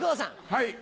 はい。